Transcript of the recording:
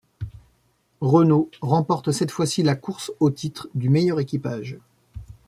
Renault remporte cette fois-ci la course au titre du meilleur équipage.